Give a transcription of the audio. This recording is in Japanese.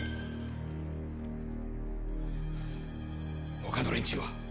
他の連中は？